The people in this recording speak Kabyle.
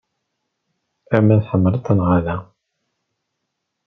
Ama tḥemmleḍ-t neɣ ala.